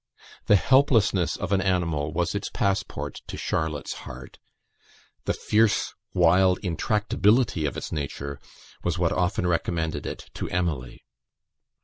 The helplessness of an animal was its passport to Charlotte's heart; the fierce, wild, intractability of its nature was what often recommended it to Emily.